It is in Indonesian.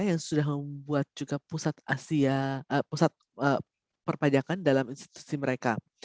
yang sudah membuat juga pusat perpajakan dalam institusi mereka